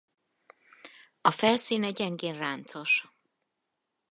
A felszíne gyengén ráncos.